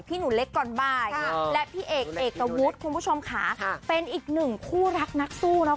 พี่หนูเล็กก่อนบ้ายค่ะและพี่เอกเอกกระวุธคุณผู้ชมค่ะค่ะเป็นอีกหนึ่งคู่รักนักสู้เนาะ